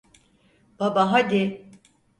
Baba, hadi.